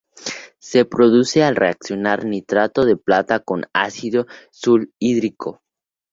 Se produce al reaccionar nitrato de plata con ácido sulfhídrico.